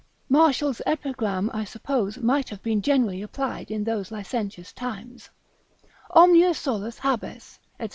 Martial's Epigram I suppose might have been generally applied in those licentious times, Omnia solus habes, &c.